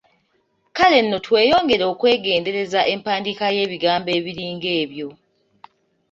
Kale nno tweyongere okwegendereza empandiika y’ebigambo ebiringa ebyo.